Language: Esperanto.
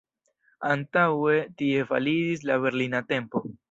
Antaŭe tie validis la Berlina tempo.